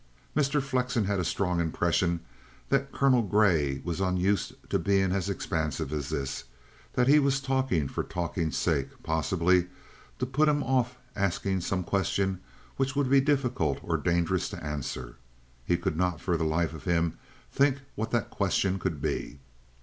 Mr. Flexen had a strong impression that Colonel Grey was unused to being as expansive as this, that he was talking for talking's sake, possibly to put him off asking some question which would be difficult or dangerous to answer. He could not for the life of him think what that question could be.